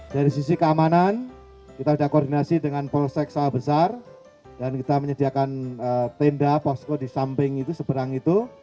dari sisi keamanan kita sudah koordinasi dengan polsek sawah besar dan kita menyediakan tenda posko di samping itu seberang itu